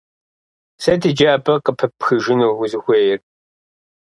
Сыт иджы абы къыпыпхыжыну узыхуейр?